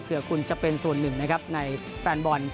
เกือบคุณจะเป็นส่วนหนึ่งในแฟนบอล